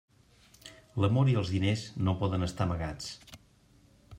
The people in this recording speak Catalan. L'amor i els diners no poden estar amagats.